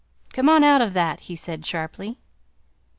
"Come on out of that!" he said sharply.